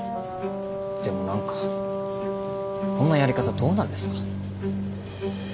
でも何かこんなやり方どうなんですか？